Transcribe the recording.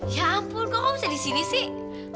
ya ampun kok kamu bisa disini sih